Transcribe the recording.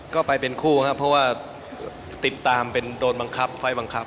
ก็ไปเป็นคู่ครับเพราะว่าติดตามเป็นโดนบังคับไฟล์บังคับ